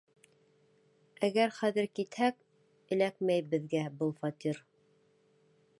Әгәр хәҙер китһәк, эләкмәй беҙгә был фатир!